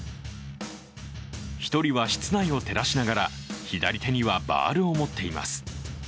１人は室内を照らしながら左手にはバールを持っています。